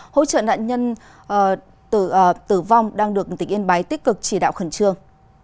hỗ trợ nạn nhân tử vong đang được tỉnh yên bái tích cực chỉ đạo khẩn trương